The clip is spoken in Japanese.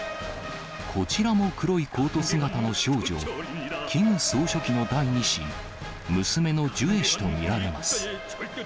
こちらも黒いコート姿の少女、キム総書記の第２子、娘のジュエ氏と見られます。